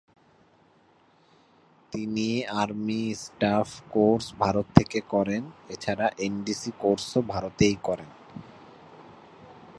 তিনি army staff course Bharat থেকে করেন, এছাড়া এনডিসি কোর্সও ভারতেই করেন।